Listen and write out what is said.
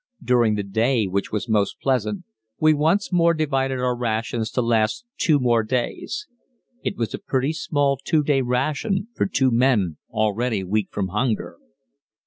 During the day, which was most pleasant, we once more divided our rations to last two more days. It was a pretty small two day ration for two men already weak from hunger.